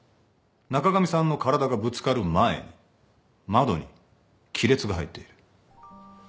中上さんの体がぶつかる前に窓に亀裂が入っている。